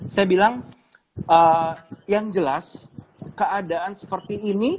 saya bilang yang jelas keadaan seperti ini